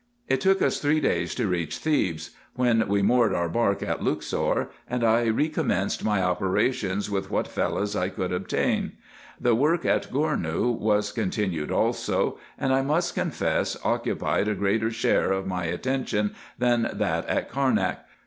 It took us three days to reach Thebes, when we moored our bark at Luxor, and I recommenced my operations with what Fellahs I could obtain. The work at Gournou was continued also ; and 1 must confess occupied a greater share of my attention than that at Carnak.